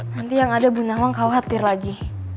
nanti yang ada bu nawang khawatir lagi